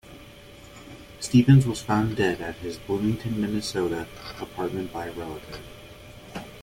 Stephens was found dead at his Bloomington, Minnesota apartment by a relative.